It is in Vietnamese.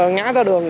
ngã ra đường